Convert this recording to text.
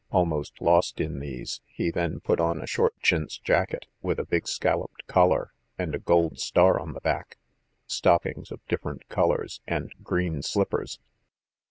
Almost lost in these, he then put on a short chintz jacket, with a big scalloped collar, and a gold star on the back, stockings of different colours, and green slippers.